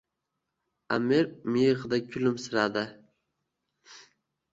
Аmir miyigʼida kulimsiradi.